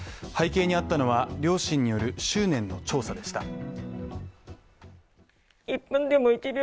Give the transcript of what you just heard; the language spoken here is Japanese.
背景にあったのは、両親による執念の調査でした。